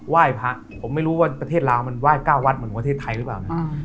ไหว้พระผมไม่รู้ว่าประเทศลาวมันไหว้๙วัดเหมือนประเทศไทยหรือเปล่านะ